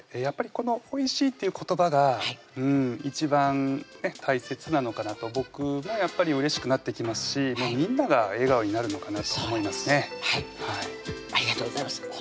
やっぱりこの「おいしい」っていう言葉が一番大切なのかなと僕もやっぱりうれしくなってきますしみんなが笑顔になるのかなと思いますねありがとうございます